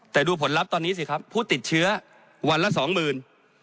แต่ดูผลลัพธ์ตอนนี้สิครับผู้ติดเชื้อวันละสองหมื่น